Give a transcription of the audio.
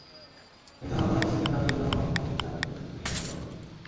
এতে হযরত Abu Sufyan রাযিয়াল্লাহু আনহু এর চেহারাতে স্বস্তির চিহ্ন ফুটে ওঠে।